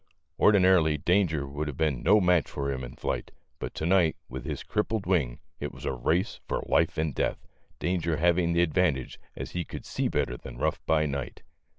Ordinarily Dan ger would have been no match for him in flight, but to night, with his crippled wing, it was a race for life and death, Danger having the advantage, as he could see better than Ruff by night.